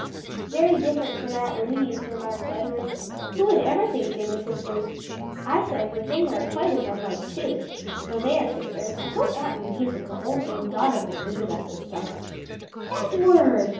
"Very different from Aunt Louise," remarked Edward. "Who would ever think they were sisters! Isa and Virginia are quite as unlike, too, though they are sisters. I hope Aunt Louise and her old maid daughter won't visit us this summer!" "Edward!"